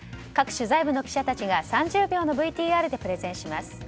各取材部の記者たちが３０秒のＶＴＲでプレゼンします。